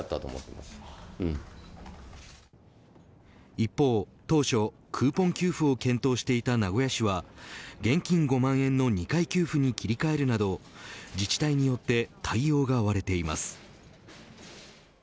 一方、当初クーポン給付を検討していた名古屋市は現金５万円の２回給付に切り替えるなど自治体によって対応が割れています。